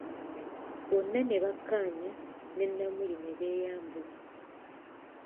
Bonna ne bakkaanya ne Namuli ne beyambula.